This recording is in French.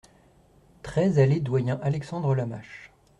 treize allée Doyen Alexandre Lamache